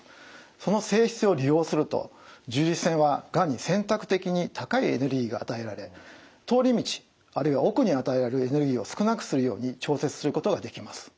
その性質を利用すると重粒子線はがんに選択的に高いエネルギーが与えられ通り道あるいは奥に与えられるエネルギーを少なくするように調節することができます。